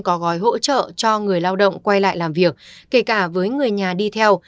có gói hỗ trợ cho người lao động quay lại làm việc kể cả với người nhà đi theo